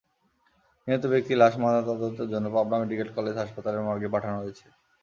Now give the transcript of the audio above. নিহত ব্যক্তির লাশ ময়নাতদন্তের জন্য পাবনা মেডিকেল কলেজ হাসপাতালের মর্গে পাঠানো হয়েছে।